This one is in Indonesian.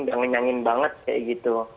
udah ngenyangin banget kayak gitu